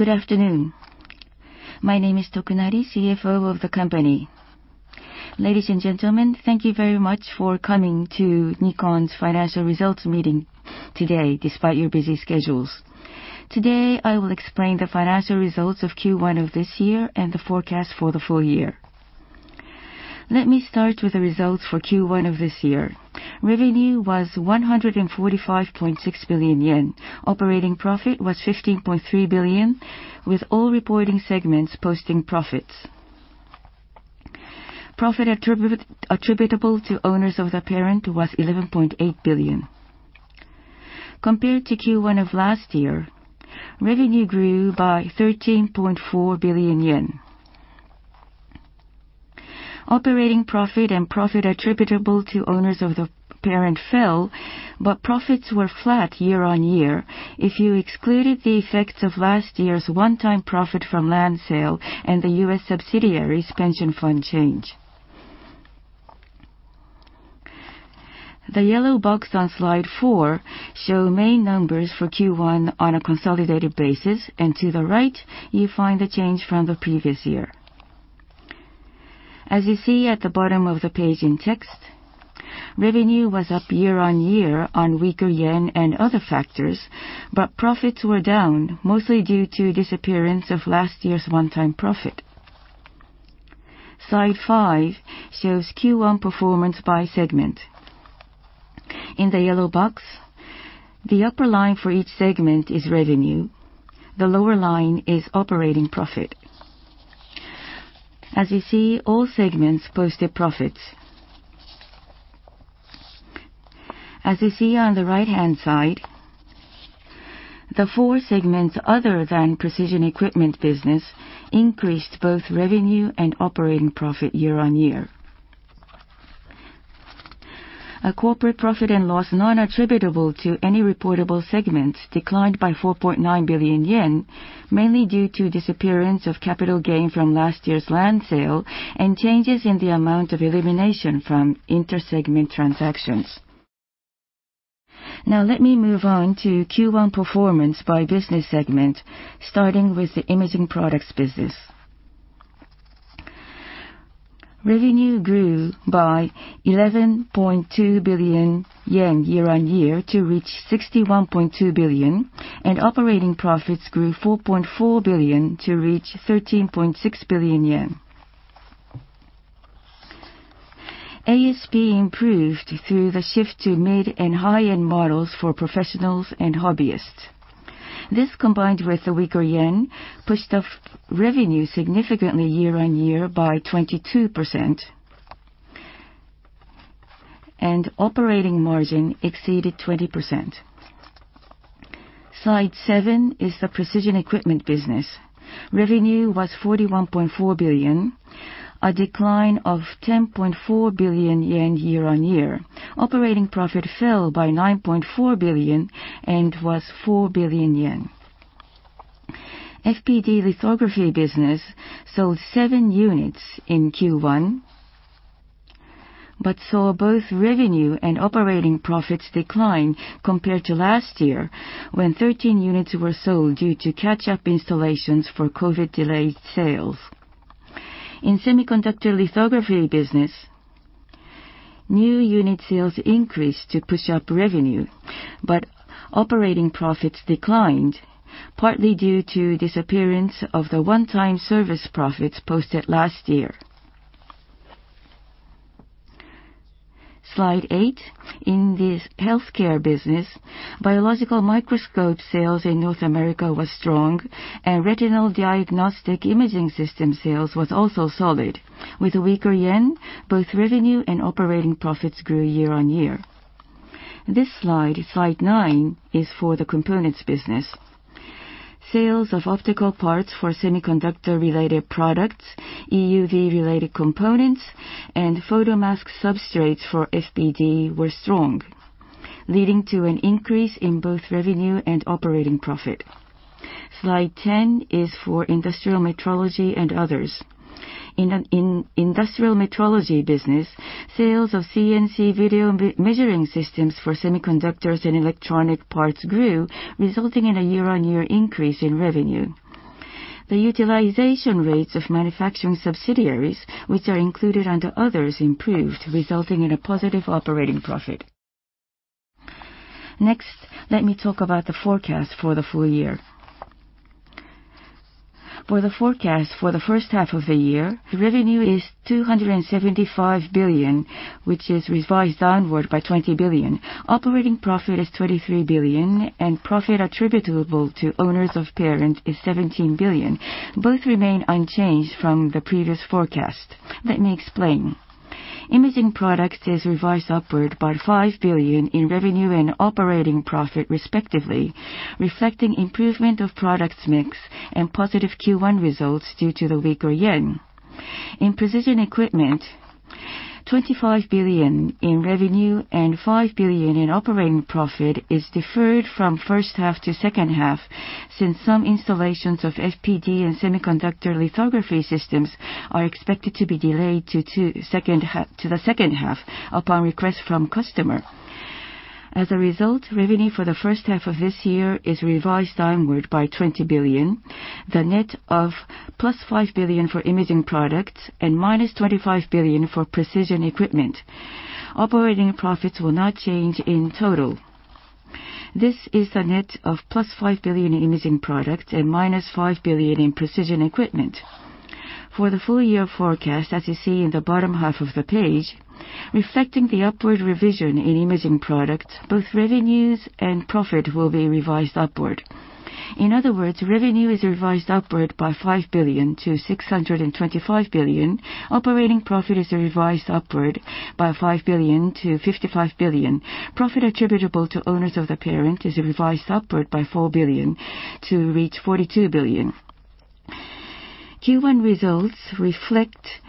Good afternoon. My name is Tokunari, CFO of the company. Ladies and gentlemen, thank you very much for coming to Nikon's financial results meeting today, despite your busy schedules. Today, I will explain the financial results of Q1 of this year and the forecast for the full year. Let me start with the results for Q1 of this year. Revenue was 145.6 billion yen. Operating profit was 15.3 billion, with all reporting segments posting profits. Profit attributable to owners of the parent was 11.8 billion. Compared to Q1 of last year, revenue grew by JPY 13.4 billion. Operating profit and profit attributable to owners of the parent fell, but profits were flat year-on-year if you excluded the effects of last year's one-time profit from land sale and the U.S. subsidiary's pension fund change. The yellow box on slide four shows main numbers for Q1 on a consolidated basis, and to the right, you find the change from the previous year. As you see at the bottom of the page in text, revenue was up year-on-year on weaker yen and other factors, but profits were down mostly due to disappearance of last year's one-time profit. Slide five shows Q1 performance by segment. In the yellow box, the upper line for each segment is revenue. The lower line is operating profit. As you see, all segments posted profits. As you see on the right-hand side, the four segments other than Precision Equipment business increased both revenue and operating profit year-on-year. Corporate profit and loss not attributable to any reportable segments declined by 4.9 billion yen, mainly due to disappearance of capital gain from last year's land sale and changes in the amount of elimination from inter-segment transactions. Now let me move on to Q1 performance by business segment, starting with the Imaging Products business. Revenue grew by 11.2 billion yen year-on-year to reach 61.2 billion, and operating profits grew 4.4 billion to reach 13.6 billion yen. ASP improved through the shift to mid and high-end models for professionals and hobbyists. This, combined with the weaker yen, pushed up revenue significantly year-on-year by 22%. Operating margin exceeded 20%. Slide seven is the Precision Equipment business. Revenue was 41.4 billion, a decline of 10.4 billion yen year-on-year. Operating profit fell by 9.4 billion and was 4 billion yen. FPD lithography business sold 7 units in Q1, but saw both revenue and operating profits decline compared to last year when 13 units were sold due to catch-up installations for COVID-delayed sales. In semiconductor lithography business, new unit sales increased to push up revenue, but operating profits declined, partly due to disappearance of the one-time service profits posted last year. Slide 8. In the Healthcare business, biological microscope sales in North America was strong, and retinal diagnostic imaging system sales was also solid. With a weaker yen, both revenue and operating profits grew year-on-year. This slide nine, is for the Components business. Sales of optical parts for semiconductor-related products, EUV-related components, and photomask substrates for FPD were strong, leading to an increase in both revenue and operating profit. Slide 10 is for Industrial Metrology and others. In industrial metrology business, sales of CNC video measuring systems for semiconductors and electronic parts grew, resulting in a year-on-year increase in revenue. The utilization rates of manufacturing subsidiaries, which are included under others, improved, resulting in a positive operating profit. Next, let me talk about the forecast for the full year. For the forecast for the first half of the year, the revenue is 275 billion, which is revised downward by 20 billion. Operating profit is 23 billion, and profit attributable to owners of parent is 17 billion. Both remain unchanged from the previous forecast. Let me explain. Imaging Products is revised upward by 5 billion in revenue and operating profit, respectively, reflecting improvement of products mix and positive Q1 results due to the weaker yen. In Precision Equipment, 25 billion in revenue and 5 billion in operating profit is deferred from first half to second half, since some installations of FPD and semiconductor lithography systems are expected to be delayed to the second half upon request from customer. As a result, revenue for the first half of this year is revised downward by 20 billion, the net of +5 billion for Imaging Products and -25 billion for Precision Equipment. Operating profits will not change in total. This is the net of +5 billion in Imaging Products and -5 billion in Precision Equipment. For the full year forecast, as you see in the bottom half of the page, reflecting the upward revision in Imaging Products, both revenues and profit will be revised upward. In other words, revenue is revised upward by 5 billion to 625 billion. Operating profit is revised upward by 5 billion to 55 billion. Profit attributable to owners of the parent is revised upward by 4 billion to reach 42 billion. Q1 results reflect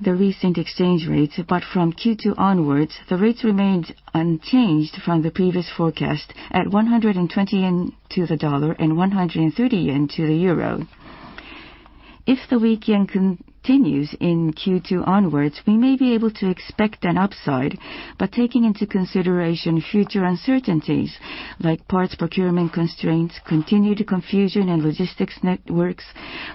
the recent exchange rates, but from Q2 onwards, the rates remained unchanged from the previous forecast at 120 yen to the dollar and 130 yen to the euro. If the weak yen continues in Q2 onwards, we may be able to expect an upside. Taking into consideration future uncertainties like parts procurement constraints, continued confusion in logistics networks,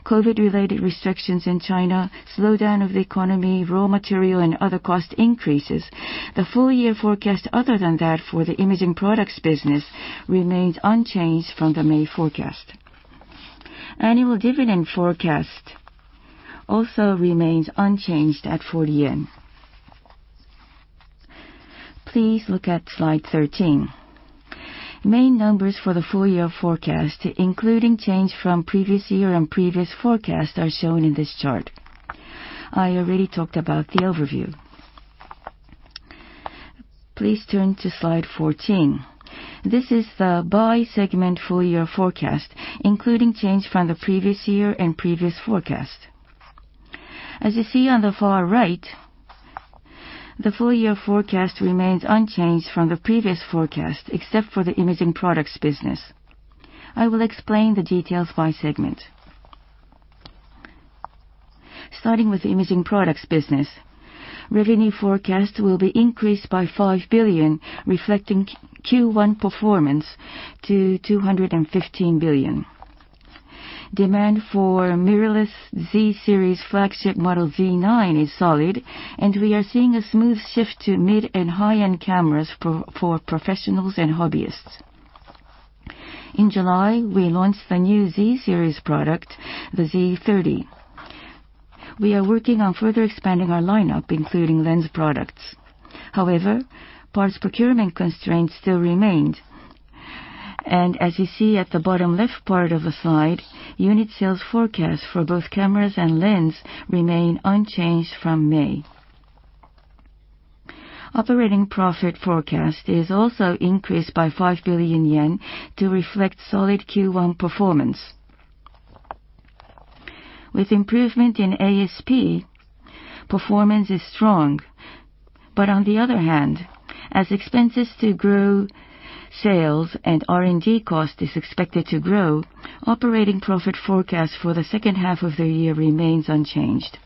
COVID-related restrictions in China, slowdown of the economy, raw material and other cost increases, the full year forecast other than that for the Imaging Products business remains unchanged from the May forecast. Annual dividend forecast also remains unchanged at 40 yen. Please look at slide 13. Main numbers for the full-year forecast, including change from previous year and previous forecast, are shown in this chart. I already talked about the overview. Please turn to slide 14. This is the by-segment full-year forecast, including change from the previous year and previous forecast. As you see on the far right, the full-year forecast remains unchanged from the previous forecast, except for the Imaging Products business. I will explain the details by segment. Starting with Imaging Products business, revenue forecast will be increased by 5 billion, reflecting Q1 performance to 215 billion. Demand for mirrorless Z series flagship model Z9 is solid, and we are seeing a smooth shift to mid- and high-end cameras for professionals and hobbyists. In July, we launched the new Z series product, the Z30. We are working on further expanding our lineup, including lens products. However, parts procurement constraints still remained. As you see at the bottom left part of the slide, unit sales forecast for both cameras and lens remain unchanged from May. Operating profit forecast is also increased by 5 billion yen to reflect solid Q1 performance. With improvement in ASP, performance is strong, but on the other hand, as expenses to grow sales and R&D cost is expected to grow, operating profit forecast for the second half of the year remains unchanged.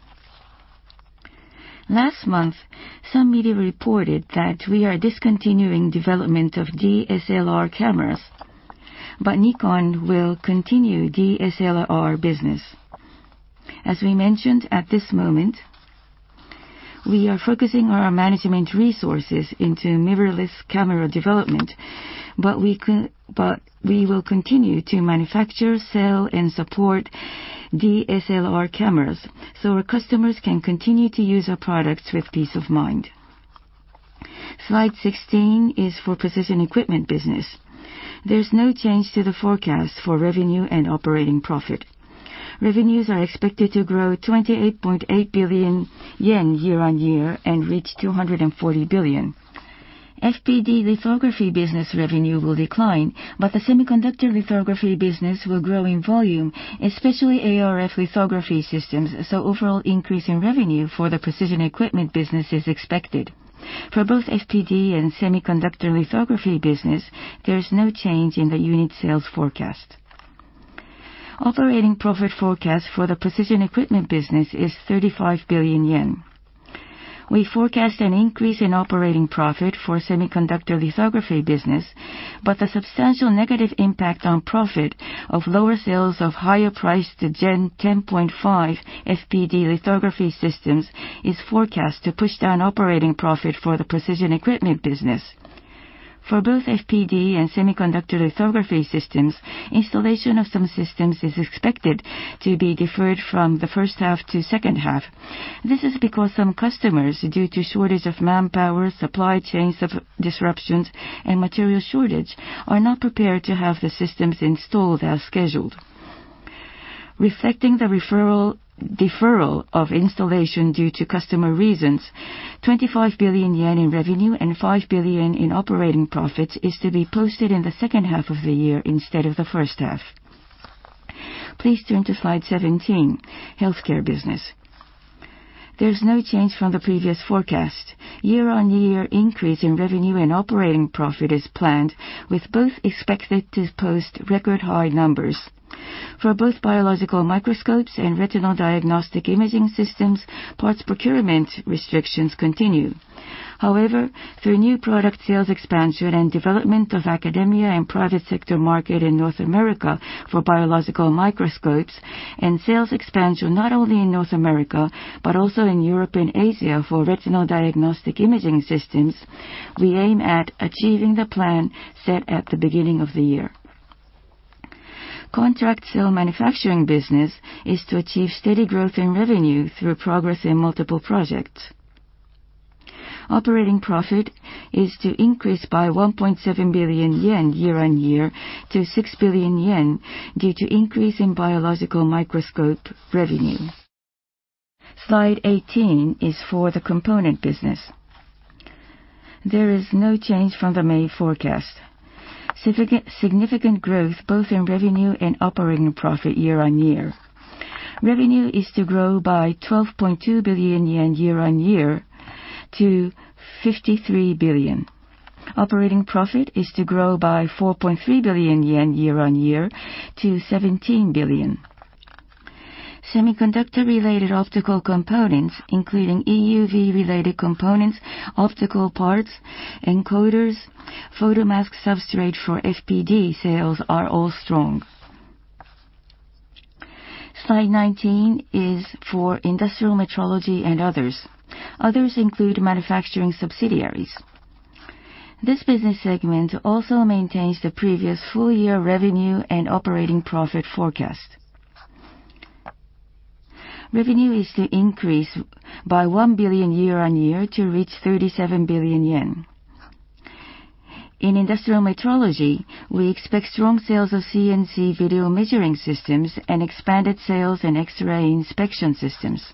Last month, some media reported that we are discontinuing development of DSLR cameras, but Nikon will continue DSLR business. As we mentioned at this moment, we are focusing our management resources into mirrorless camera development, but we will continue to manufacture, sell, and support DSLR cameras, so our customers can continue to use our products with peace of mind. Slide 16 is for Precision Equipment business. There's no change to the forecast for revenue and operating profit. Revenues are expected to grow 28.8 billion yen year-on-year and reach 240 billion. FPD lithography business revenue will decline, but the semiconductor lithography business will grow in volume, especially ARF lithography systems, so overall increase in revenue for the precision equipment business is expected. For both FPD and semiconductor lithography business, there is no change in the unit sales forecast. Operating profit forecast for the precision equipment business is 35 billion yen. We forecast an increase in operating profit for semiconductor lithography business, but the substantial negative impact on profit of lower sales of higher-priced Gen 10.5 FPD lithography systems is forecast to push down operating profit for the precision equipment business. For both FPD and semiconductor lithography systems, installation of some systems is expected to be deferred from the first half to second half. This is because some customers, due to shortage of manpower, supply chain disruptions, and material shortage, are not prepared to have the systems installed as scheduled. Reflecting the deferral of installation due to customer reasons, JPY 25 billion in revenue and JPY 5 billion in operating profits is to be posted in the second half of the year instead of the first half. Please turn to slide 17, healthcare business. There's no change from the previous forecast. Year-on-year increase in revenue and operating profit is planned, with both expected to post record high numbers. For both biological microscopes and retinal diagnostic imaging systems, parts procurement restrictions continue. However, through new product sales expansion and development of academia and private sector market in North America for biological microscopes, and sales expansion not only in North America, but also in Europe and Asia for retinal diagnostic imaging systems, we aim at achieving the plan set at the beginning of the year. Contract manufacturing business is to achieve steady growth in revenue through progress in multiple projects. Operating profit is to increase by 1.7 billion yen year-on-year to 6 billion yen due to increase in biological microscope revenue. Slide 18 is for the component business. There is no change from the main forecast. Significant growth both in revenue and operating profit year-on-year. Revenue is to grow by 12.2 billion yen year-on-year to 53 billion. Operating profit is to grow by 4.3 billion yen year-on-year to 17 billion. Semiconductor-related optical components, including EUV-related components, optical parts, encoders, photomask substrate for FPD sales are all strong. Slide 19 is for Industrial Metrology and others. Others include manufacturing subsidiaries. This business segment also maintains the previous full year revenue and operating profit forecast. Revenue is to increase by 1 billion year-on-year to reach 37 billion yen. In Industrial Metrology, we expect strong sales of CNC video measuring systems and expanded sales in X-ray inspection systems.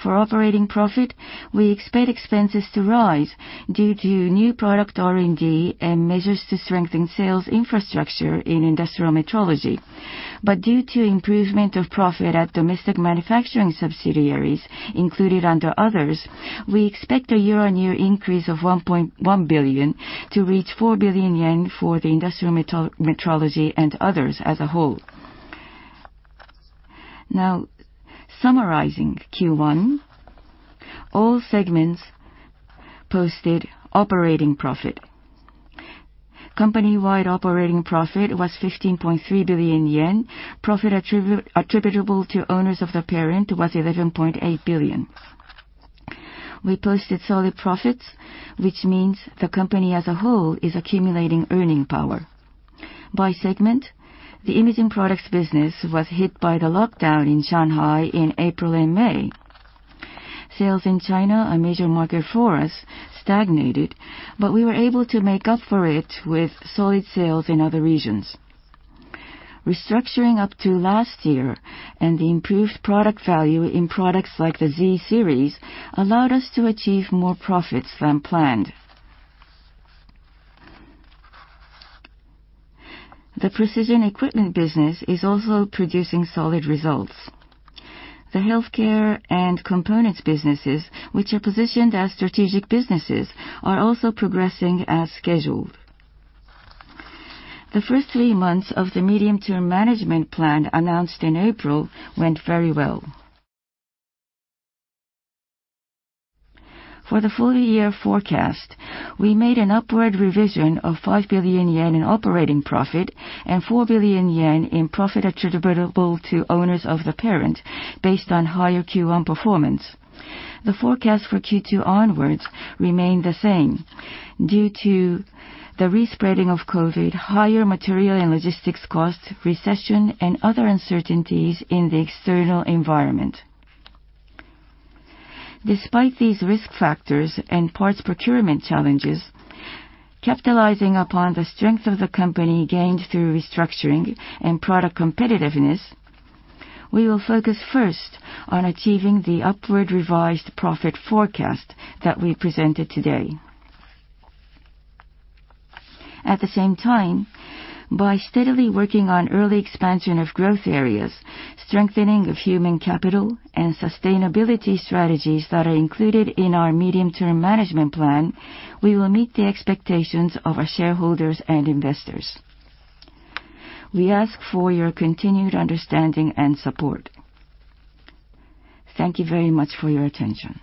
For operating profit, we expect expenses to rise due to new product R&D and measures to strengthen sales infrastructure in Industrial Metrology. Due to improvement of profit at domestic manufacturing subsidiaries included under others, we expect a year-on-year increase of 1.1 billion to reach 4 billion yen for the Industrial Metrology and others as a whole. Now summarizing Q1, all segments posted operating profit. Company-wide operating profit was 15.3 billion yen. Profit attributable to owners of the parent was 11.8 billion. We posted solid profits, which means the company as a whole is accumulating earning power. By segment, the Imaging Products business was hit by the lockdown in Shanghai in April and May. Sales in China, a major market for us, stagnated, but we were able to make up for it with solid sales in other regions. Restructuring up to last year and the improved product value in products like the Z series allowed us to achieve more profits than planned. The Precision Equipment business is also producing solid results. The Healthcare and Components businesses, which are positioned as strategic businesses, are also progressing as scheduled. The first three months of the medium-term management plan announced in April went very well. For the full year forecast, we made an upward revision of 5 billion yen in operating profit and 4 billion yen in profit attributable to owners of the parent based on higher Q1 performance. The forecast for Q2 onwards remained the same due to the respreading of COVID, higher material and logistics costs, recession, and other uncertainties in the external environment. Despite these risk factors and parts procurement challenges, capitalizing upon the strength of the company gained through restructuring and product competitiveness, we will focus first on achieving the upward revised profit forecast that we presented today. At the same time, by steadily working on early expansion of growth areas, strengthening of human capital and sustainability strategies that are included in our medium-term management plan, we will meet the expectations of our shareholders and investors. We ask for your continued understanding and support. Thank you very much for your attention.